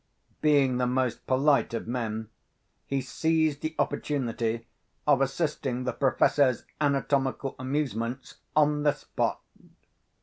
Being the most polite of men, he seized the opportunity of assisting the Professor's anatomical amusements on the spot.